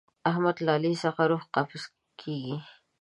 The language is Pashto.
د احمد له علي څخه روح قبض کېږي.